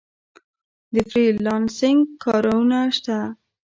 د فری لانسینګ کارونه شته؟